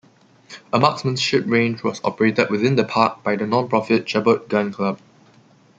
A marksmanship range was operated within the park by the non-profit Chabot Gun Club.